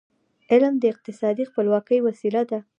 علم د اقتصادي خپلواکی وسیله ده.